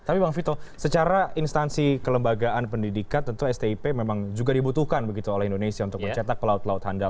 tapi bang vito secara instansi kelembagaan pendidikan tentu stip memang juga dibutuhkan begitu oleh indonesia untuk mencetak pelaut pelaut handal